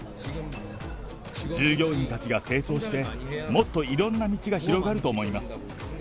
従業員たちが成長して、もっといろんな道が広がると思います。